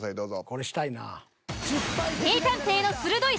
これしたいなぁ。